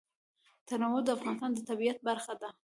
تنوع د افغانستان د طبیعت برخه ده.